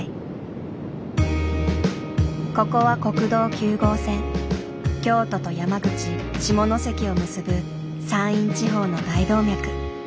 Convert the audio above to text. ここは京都と山口・下関を結ぶ山陰地方の大動脈。